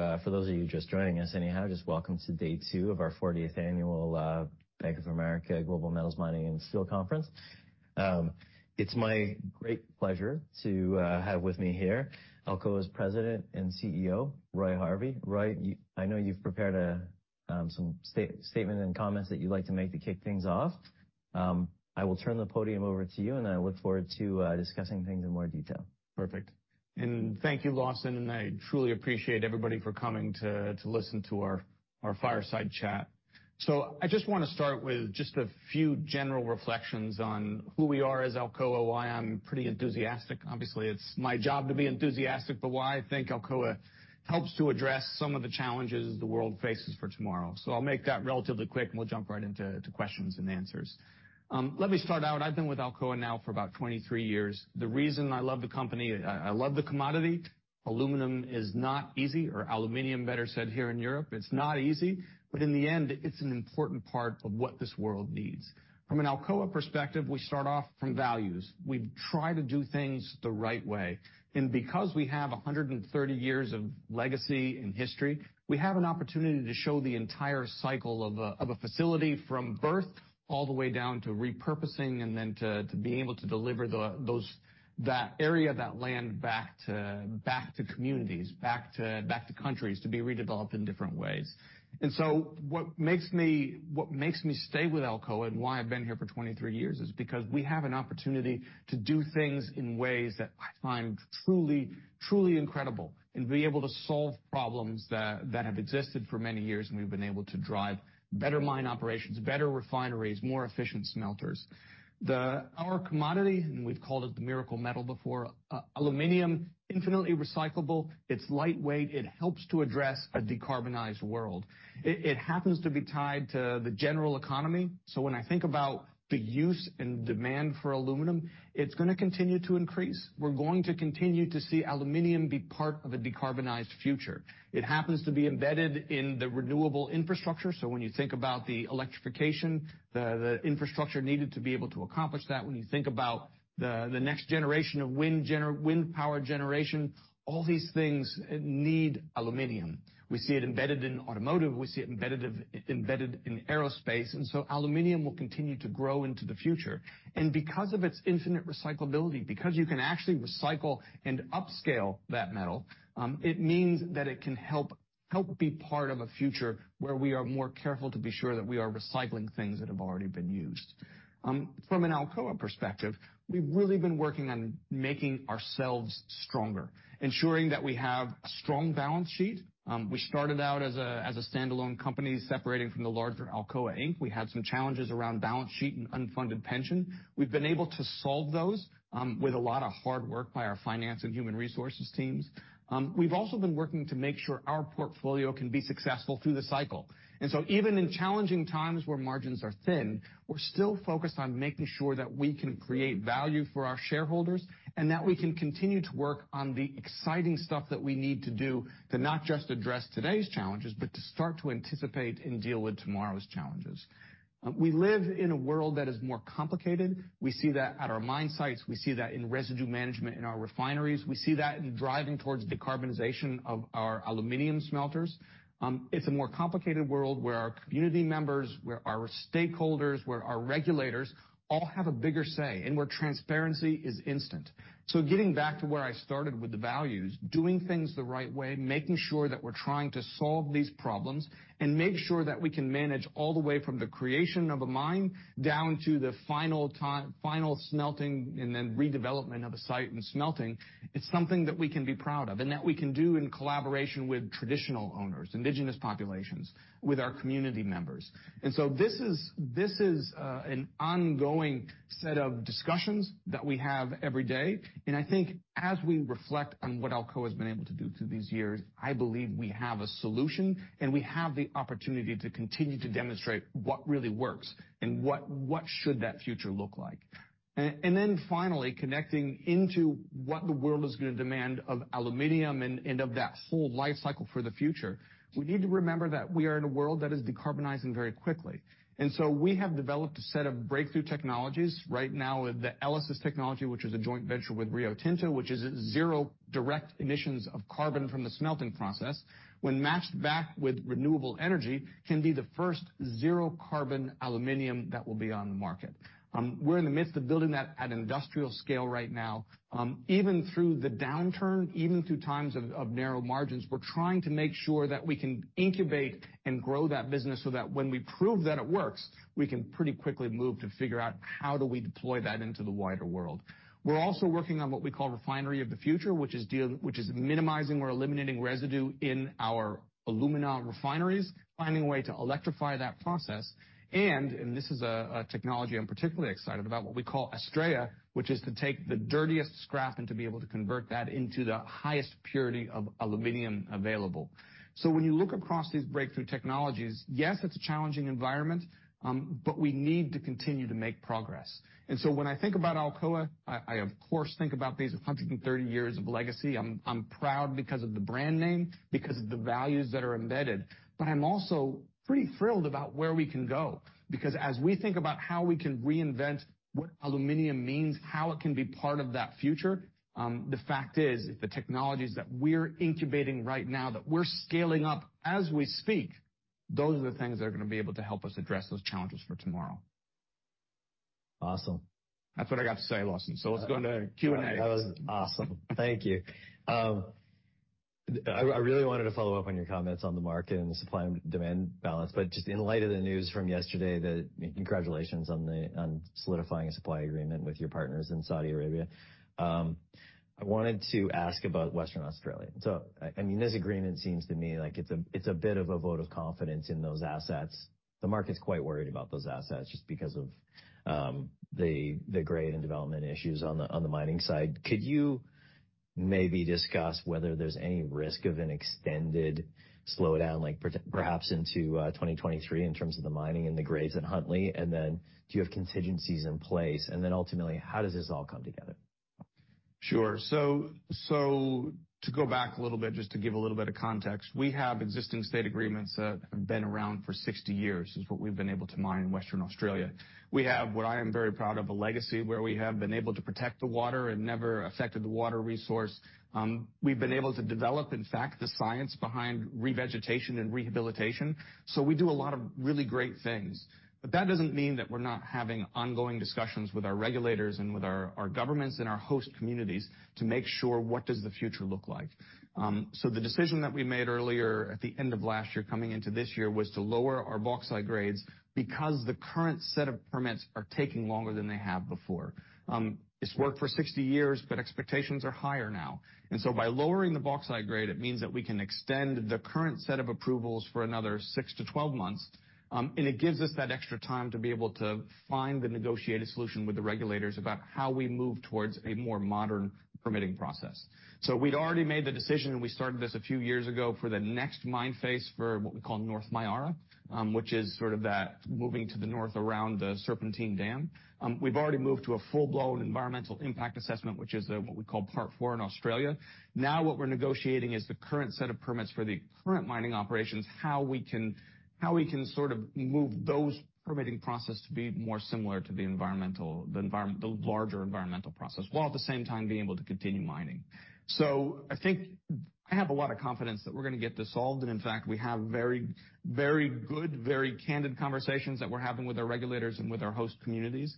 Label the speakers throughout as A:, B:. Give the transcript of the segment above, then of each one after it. A: To for those of you just joining us anyhow, just welcome to day two of our 40th annual Bank of America Global Metals Mining and Steel Conference. It's my great pleasure to have with me here Alcoa's President and CEO, Roy Harvey. Roy, I know you've prepared some statement and comments that you'd like to make to kick things off. I will turn the podium over to you, and I look forward to discussing things in more detail.
B: Perfect. Thank you, Lawson, and I truly appreciate everybody for coming to listen to our fireside chat. I just wanna start with just a few general reflections on who we are as Alcoa, why I'm pretty enthusiastic. Obviously, it's my job to be enthusiastic, but why I think Alcoa helps to address some of the challenges the world faces for tomorrow. I'll make that relatively quick, and we'll jump right into questions and answers. Let me start out. I've been with Alcoa now for about 23 years. The reason I love the company, I love the commodity. Aluminum is not easy or aluminum, better said here in Europe, it's not easy, but in the end, it's an important part of what this world needs. From an Alcoa perspective, we start off from values. We try to do things the right way. Because we have 130 years of legacy and history, we have an opportunity to show the entire cycle of a facility from birth all the way down to repurposing and then to be able to deliver that area, that land back to communities, back to countries to be redeveloped in different ways. What makes me stay with Alcoa and why I've been here for 23 years is because we have an opportunity to do things in ways that I find truly incredible and be able to solve problems that have existed for many years, and we've been able to drive better mine operations, better refineries, more efficient smelters. Our commodity, and we've called it the miracle metal before, aluminum, infinitely recyclable, it's lightweight, it helps to address a decarbonized world. It happens to be tied to the general economy. When I think about the use and demand for aluminum, it's gonna continue to increase. We're going to continue to see aluminum be part of a decarbonized future. It happens to be embedded in the renewable infrastructure. When you think about the electrification, the infrastructure needed to be able to accomplish that, when you think about the next generation of wind power generation, all these things need aluminum. We see it embedded in automotive. We see it embedded in aerospace. Aluminum will continue to grow into the future. Because of its infinite recyclability, because you can actually recycle and upscale that metal, it means that it can help be part of a future where we are more careful to be sure that we are recycling things that have already been used. From an Alcoa perspective, we've really been working on making ourselves stronger, ensuring that we have a strong balance sheet. We started out as a standalone company separating from the larger Alcoa Inc. We had some challenges around balance sheet and unfunded pension. We've been able to solve those with a lot of hard work by our finance and human resources teams. We've also been working to make sure our portfolio can be successful through the cycle. Even in challenging times where margins are thin, we're still focused on making sure that we can create value for our shareholders and that we can continue to work on the exciting stuff that we need to do to not just address today's challenges, but to start to anticipate and deal with tomorrow's challenges. We live in a world that is more complicated. We see that at our mine sites. We see that in residue management in our refineries. We see that in driving towards decarbonization of our aluminum smelters. It's a more complicated world where our community members, where our stakeholders, where our regulators all have a bigger say and where transparency is instant. Getting back to where I started with the values, doing things the right way, making sure that we're trying to solve these problems and make sure that we can manage all the way from the creation of a mine down to the final smelting and then redevelopment of a site and smelting, it's something that we can be proud of and that we can do in collaboration with traditional owners, indigenous populations, with our community members. This is an ongoing set of discussions that we have every day. I think as we reflect on what Alcoa's been able to do through these years, I believe we have a solution, and we have the opportunity to continue to demonstrate what really works and what should that future look like. Finally, connecting into what the world is gonna demand of aluminum and of that whole life cycle for the future, we need to remember that we are in a world that is decarbonizing very quickly. We have developed a set of breakthrough technologies right now with the ELYSIS technology, which is a joint venture with Rio Tinto, which is zero direct emissions of carbon from the smelting process, when matched back with renewable energy, can be the first zero carbon aluminum that will be on the market. We're in the midst of building that at an industrial scale right now. Even through the downturn, even through times of narrow margins, we're trying to make sure that we can incubate and grow that business so that when we prove that it works, we can pretty quickly move to figure out how do we deploy that into the wider world. We're also working on what we call Refinery of the Future, which is minimizing or eliminating residue in our alumina refineries, finding a way to electrify that process. This is a technology I'm particularly excited about, what we call ASTRAEA, which is to take the dirtiest scrap and to be able to convert that into the highest purity of aluminum available. When you look across these breakthrough technologies, yes, it's a challenging environment, but we need to continue to make progress. When I think about Alcoa, I of course think about these 130 years of legacy. I'm proud because of the brand name, because of the values that are embedded. I'm also pretty thrilled about where we can go, because as we think about how we can reinvent what aluminum means, how it can be part of that future, the fact is the technologies that we're incubating right now, that we're scaling up as we speak. Those are the things that are gonna be able to help us address those challenges for tomorrow.
A: Awesome.
B: That's what I got to say, Lawson. Let's go into Q&A.
A: That was awesome. Thank you. I really wanted to follow up on your comments on the market and the supply and demand balance. Just in light of the news from yesterday that congratulations on solidifying a supply agreement with your partners in Saudi Arabia. I wanted to ask about Western Australia. I mean, this agreement seems to me like it's a bit of a vote of confidence in those assets. The market's quite worried about those assets just because of the grade and development issues on the mining side. Could you maybe discuss whether there's any risk of an extended slowdown perhaps into 2023 in terms of the mining and the grades at Huntly? Do you have contingencies in place? Ultimately, how does this all come together?
B: Sure. To go back a little bit, just to give a little bit of context, we have existing state agreements that have been around for 60 years, since what we've been able to mine in Western Australia. We have, what I am very proud of, a legacy where we have been able to protect the water and never affected the water resource. We've been able to develop, in fact, the the science behind revegetation and rehabilitation, so we do a lot of really great things. That doesn't mean that we're not having ongoing discussions with our regulators and with our governments and our host communities to make sure what does the future look like. The decision that we made earlier at the end of last year coming into this year was to lower our bauxite grades because the current set of permits are taking longer than they have before. It's worked for 60 years, but expectations are higher now. By lowering the bauxite grade, it means that we can extend the current set of approvals for another 6-12 months, and it gives us that extra time to be able to find the negotiated solution with the regulators about how we move towards a more modern permitting process. We'd already made the decision, and we started this a few years ago for the next mine phase for what we call Myara North, which is sort of that moving to the north around the Serpentine Dam. We've already moved to a full-blown environmental impact assessment, which is what we call Part IV in Australia. What we're negotiating is the current set of permits for the current mining operations, how we can sort of move those permitting process to be more similar to the larger environmental process, while at the same time being able to continue mining. I think I have a lot of confidence that we're gonna get this solved, and in fact, we have very, very good, very candid conversations that we're having with our regulators and with our host communities.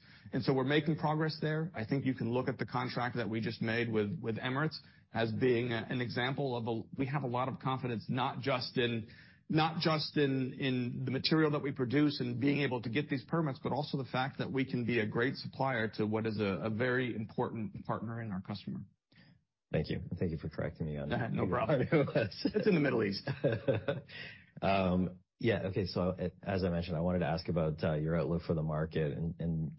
B: We're making progress there. I think you can look at the contract that we just made with Emirates as being an example of we have a lot of confidence, not just in the material that we produce and being able to get these permits, but also the fact that we can be a great supplier to what is a very important partner and our customer.
A: Thank you. Thank you for correcting me on that.
B: No problem. It's in the Middle East.
A: Yeah. Okay. As I mentioned, I wanted to ask about your outlook for the market.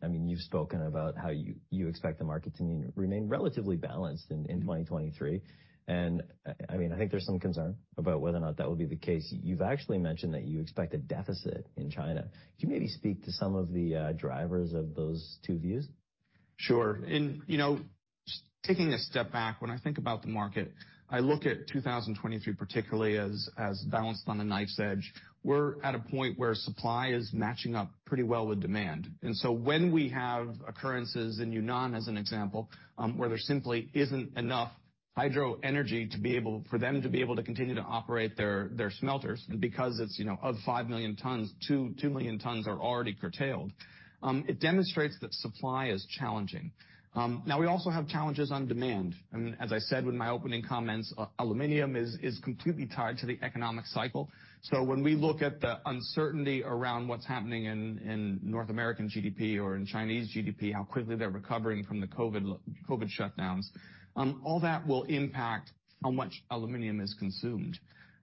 A: I mean, you've spoken about how you expect the market to remain relatively balanced in 2023. I mean, I think there's some concern about whether or not that will be the case. You've actually mentioned that you expect a deficit in China. Can you maybe speak to some of the drivers of those two views?
B: Sure. you know, taking a step back, when I think about the market, I look at 2023, particularly as balanced on a knife's edge. We're at a point where supply is matching up pretty well with demand. When we have occurrences in Yunnan as an example, where there simply isn't enough Hydro energy to be able, for them to be able to continue to operate their smelters, and because it's, you know, of 5 million tons, 2 million tons are already curtailed, it demonstrates that supply is challenging. Now we also have challenges on demand. I mean, as I said with my opening comments, aluminum is completely tied to the economic cycle. When we look at the uncertainty around what's happening in North American GDP or in Chinese GDP, how quickly they're recovering from the COVID shutdowns, all that will impact how much aluminum is consumed.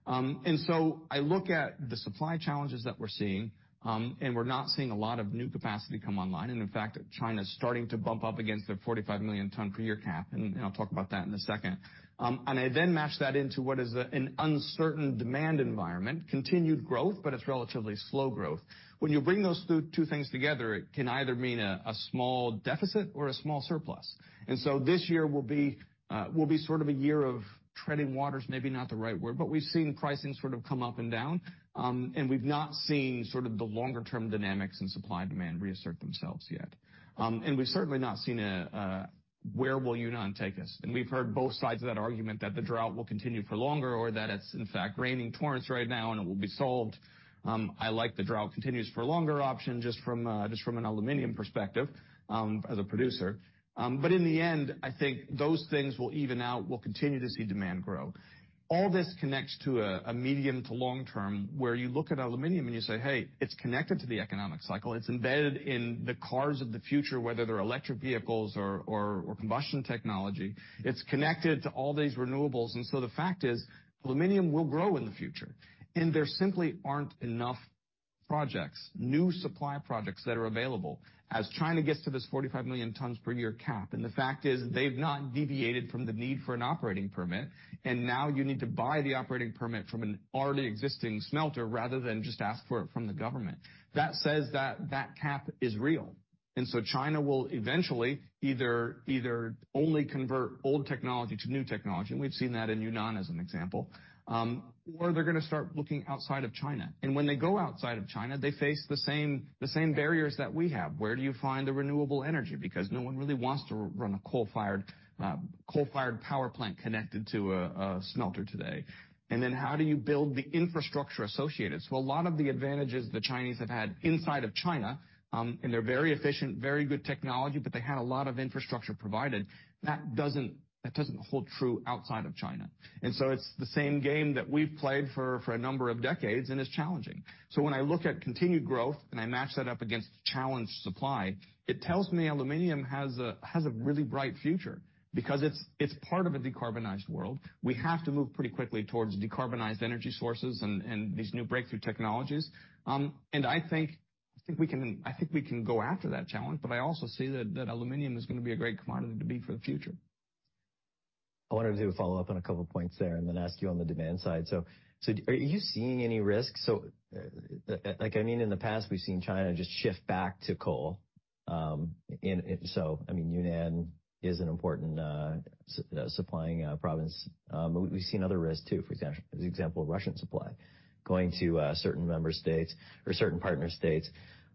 B: I look at the supply challenges that we're seeing, and we're not seeing a lot of new capacity come online, and in fact, China's starting to bump up against their 45 million ton per year cap, and I'll talk about that in a second. I then mash that into what is an uncertain demand environment, continued growth, but it's relatively slow growth. When you bring those two things together, it can either mean a small deficit or a small surplus. This year will be sort of a year of treading water is maybe not the right word, but we've seen pricing sort of come up and down, and we've not seen sort of the longer term dynamics in supply and demand reassert themselves yet. We've certainly not seen a where will Yunnan take us. We've heard both sides of that argument that the drought will continue for longer or that it's in fact raining torrents right now and it will be solved. I like the drought continues for longer option just from an aluminum perspective, as a producer. In the end, I think those things will even out. We'll continue to see demand grow. All this connects to a medium to long term, where you look at aluminum and you say, "Hey, it's connected to the economic cycle. It's embedded in the cars of the future, whether they're electric vehicles or combustion technology. It's connected to all these renewables." The fact is, aluminum will grow in the future, and there simply aren't enough projects, new supply projects that are available as China gets to this 45 million ton per year cap. The fact is, they've not deviated from the need for an operating permit, and now you need to buy the operating permit from an already existing smelter rather than just ask for it from the government. That says that that cap is real. China will eventually either only convert old technology to new technology, and we've seen that in Yunnan as an example, or they're gonna start looking outside of China. When they go outside of China, they face the same barriers that we have. Where do you find the renewable energy? Because no one really wants to run a coal-fired power plant connected to a smelter today. How do you build the infrastructure associated? A lot of the advantages the Chinese have had inside of China, and they're very efficient, very good technology, but they had a lot of infrastructure provided. That doesn't hold true outside of China. It's the same game that we've played for a number of decades, and it's challenging. When I look at continued growth, and I match that up against challenged supply, it tells me aluminum has a really bright future because it's part of a decarbonized world. We have to move pretty quickly towards decarbonized energy sources and these new breakthrough technologies. I think we can go after that challenge. I also see that aluminum is gonna be a great commodity to be for the future.
A: I wanted to do a follow-up on a couple points there and then ask you on the demand side. Are you seeing any risks? Like I mean, in the past, we've seen China just shift back to coal. I mean, Yunnan is an important supplying province. We've seen other risks too. For example, the example of Russian supply going to certain member states or certain partner states.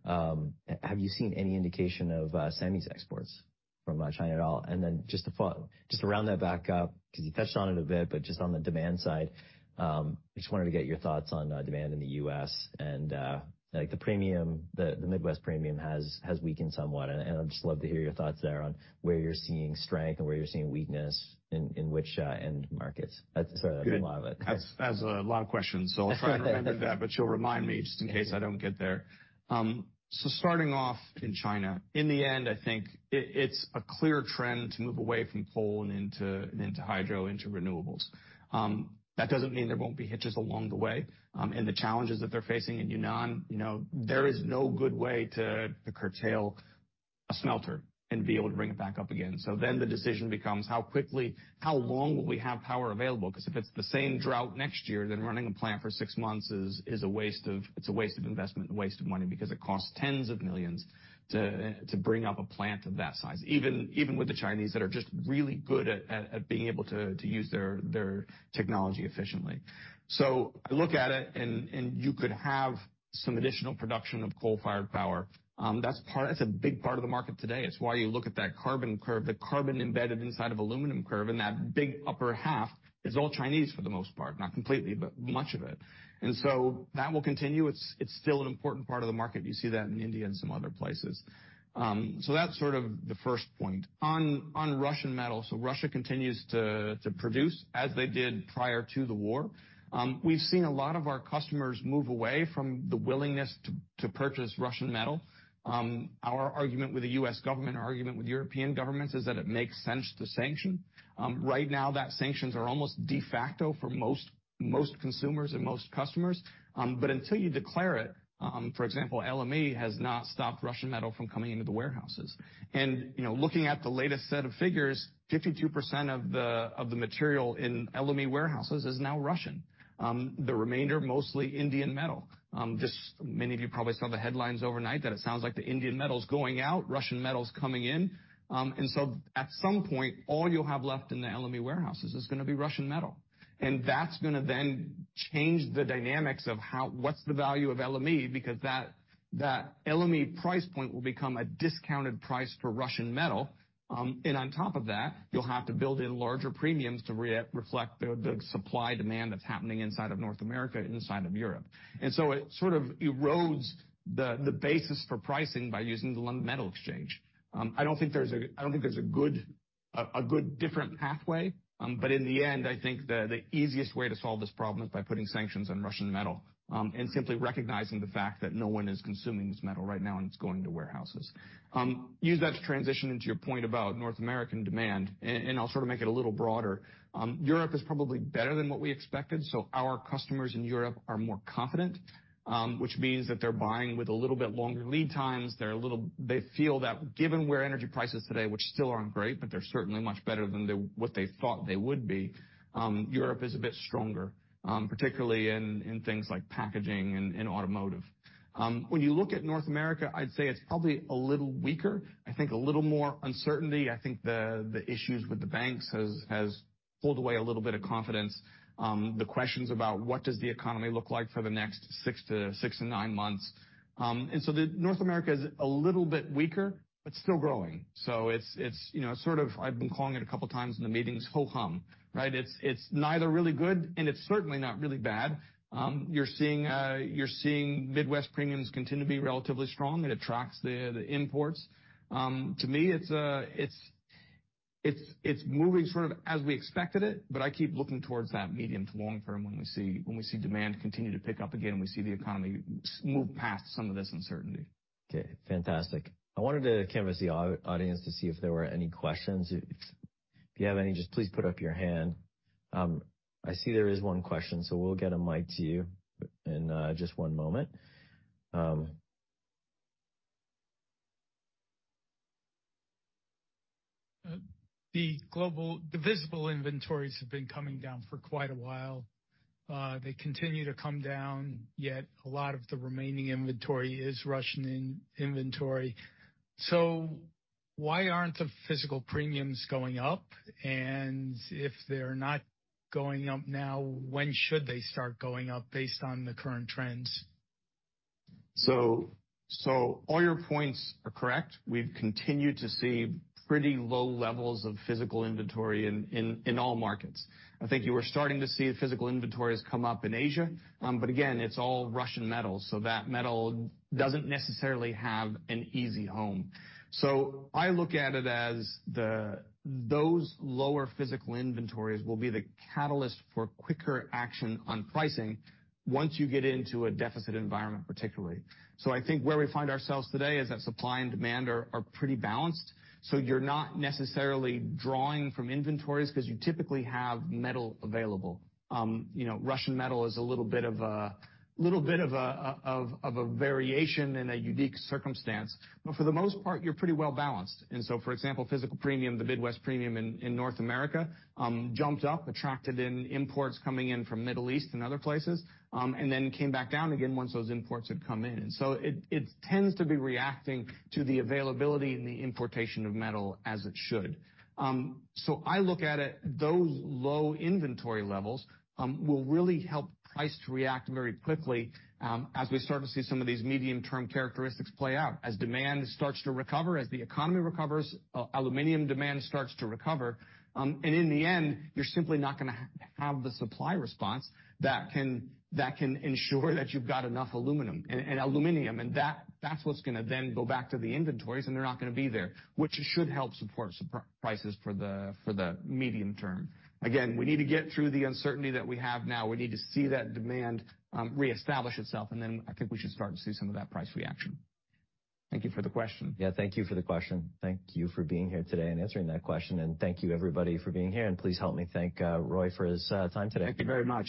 A: Have you seen any indication of semis exports from China at all? Just to follow, just to round that back up, because you touched on it a bit, but just on the demand side, just wanted to get your thoughts on demand in the U.S. and like the premium, the Midwest premium has weakened somewhat. I'd just love to hear your thoughts there on where you're seeing strength and where you're seeing weakness in which end markets. Sorry, that was a lot.
B: That's a lot of questions, I'll try and remember that, but you'll remind me just in case I don't get there. Starting off in China, in the end, I think it's a clear trend to move away from coal and into, and into hydro, into renewables. That doesn't mean there won't be hitches along the way, and the challenges that they're facing in Yunnan, you know, there is no good way to curtail a smelter and be able to bring it back up again. The decision becomes how quickly, how long will we have power available? If it's the same drought next year, then running a plant for six months is a waste of investment and waste of money because it costs tens of millions of dollars to bring up a plant of that size, even with the Chinese that are just really good at being able to use their technology efficiently. I look at it and you could have some additional production of coal-fired power. That's a big part of the market today. It's why you look at that carbon curve, the carbon embedded inside of aluminum curve, and that big upper half is all Chinese for the most part, not completely, but much of it. That will continue. It's still an important part of the market. You see that in India and some other places. That's sort of the first point. On Russian metal. Russia continues to produce as they did prior to the war. We've seen a lot of our customers move away from the willingness to purchase Russian metal. Our argument with the U.S. government, our argument with European governments is that it makes sense to sanction. Right now, that sanctions are almost de facto for most consumers and most customers. Until you declare it, for example, LME has not stopped Russian metal from coming into the warehouses. You know, looking at the latest set of figures, 52% of the material in LME warehouses is now Russian. The remainder, mostly Indian metal. This, many of you probably saw the headlines overnight that it sounds like the Indian metal is going out, Russian metal is coming in. At some point, all you'll have left in the LME warehouses is gonna be Russian metal. That's gonna then change the dynamics of what's the value of LME because that LME price point will become a discounted price for Russian metal. On top of that, you'll have to build in larger premiums to re-reflect the supply-demand that's happening inside of North America, inside of Europe. It sort of erodes the basis for pricing by using the London Metal Exchange. I don't think there's a, I don't think there's a good, a good different pathway. In the end, I think the easiest way to solve this problem is by putting sanctions on Russian metal, and simply recognizing the fact that no one is consuming this metal right now and it's going to warehouses. Use that to transition into your point about North American demand, I'll sort of make it a little broader. Europe is probably better than what we expected, our customers in Europe are more confident, which means that they're buying with a little bit longer lead times. They feel that given where energy price is today, which still aren't great, but they're certainly much better than they, what they thought they would be, Europe is a bit stronger, particularly in things like packaging and in automotive. When you look at North America, I'd say it's probably a little weaker. I think a little more uncertainty. I think the issues with the banks has pulled away a little bit of confidence. The questions about what does the economy look like for the next six to nine months. The North America is a little bit weaker, but still growing. It's, you know, sort of I've been calling it a couple of times in the meetings, ho-hum. It's neither really good, and it's certainly not really bad. You're seeing Midwest premiums continue to be relatively strong. It attracts the imports. To me, it's moving sort of as we expected it, but I keep looking towards that medium to long term when we see demand continue to pick up again, we see the economy move past some of this uncertainty.
A: Okay, fantastic. I wanted to canvas the audience to see if there were any questions. If you have any, just please put up your hand. I see there is one question, so we'll get a mic to you in just one moment.
C: The visible inventories have been coming down for quite a while. They continue to come down, yet a lot of the remaining inventory is Russian in-inventory. Why aren't the physical premiums going up? If they're not going up now, when should they start going up based on the current trends?
B: All your points are correct. We've continued to see pretty low levels of physical inventory in all markets. I think you are starting to see physical inventories come up in Asia, but again, it's all Russian metal, so that metal doesn't necessarily have an easy home. I look at it as the, those lower physical inventories will be the catalyst for quicker action on pricing once you get into a deficit environment, particularly. I think where we find ourselves today is that supply and demand are pretty balanced, so you're not necessarily drawing from inventories because you typically have metal available. You know, Russian metal is a little bit of a variation and a unique circumstance. For the most part, you're pretty well-balanced. For example, physical premium, the Midwest premium in North America, jumped up, attracted in imports coming in from Middle East and other places, and then came back down again once those imports had come in. It tends to be reacting to the availability and the importation of metal as it should. I look at it, those low inventory levels, will really help price to react very quickly, as we start to see some of these medium term characteristics play out. As demand starts to recover, as the economy recovers, aluminum demand starts to recover, and in the end, you're simply not gonna have the supply response that can ensure that you've got enough aluminum. That's what's gonna then go back to the inventories, and they're not gonna be there, which should help support prices for the medium term. Again, we need to get through the uncertainty that we have now. We need to see that demand reestablish itself, then I think we should start to see some of that price reaction. Thank you for the question.
C: Yeah, thank you for the question. Thank you for being here today and answering that question. Thank you, everybody, for being here, and please help me thank Roy for his time today.
B: Thank you very much.